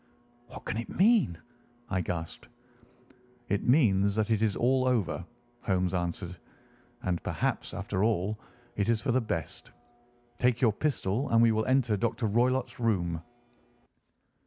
"What can it mean?" I gasped. "It means that it is all over," Holmes answered. "And perhaps, after all, it is for the best. Take your pistol, and we will enter Dr. Roylott's room."